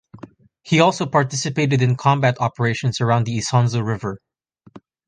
He also participated in combat operations around the Isonzo river.